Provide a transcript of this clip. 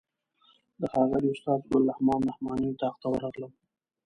د ښاغلي استاد ګل رحمن رحماني اتاق ته ورغلم.